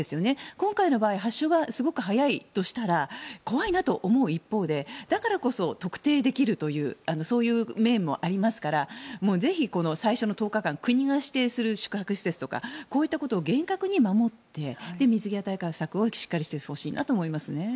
今回の場合、発症が早いとしたら怖いと思う一方でだからこそ特定できるというそういう面もありますからぜひ、最初の１０日間国が指定する宿泊施設とかこういったことを厳格に守って水際対策をしっかりしてほしいなと思いますね。